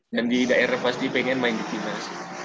dan di daerah pasti pengen main di timnas